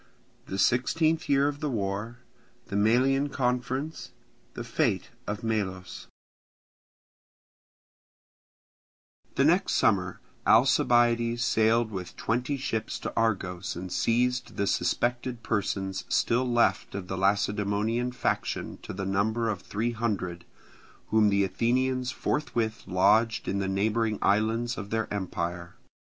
CHAPTER XVII Sixteenth Year of the War—The Melian Conference—Fate of Melos The next summer Alcibiades sailed with twenty ships to Argos and seized the suspected persons still left of the Lacedaemonian faction to the number of three hundred, whom the Athenians forthwith lodged in the neighbouring islands of their empire.